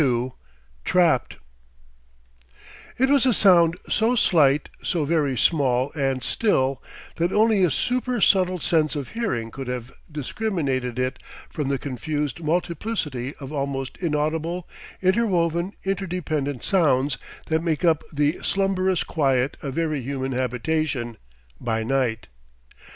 XXII TRAPPED It was a sound so slight, so very small and still, that only a super subtle sense of hearing could have discriminated it from the confused multiplicity of almost inaudible, interwoven, interdependent sounds that make up the slumberous quiet of every human habitation, by night.